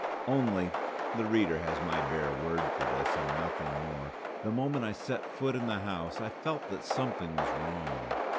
Only (the reader has my bare word for this, and nothing more), the moment I set foot in the house I felt that something was wrong.